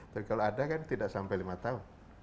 tapi kalau ada kan tidak sampai lima tahun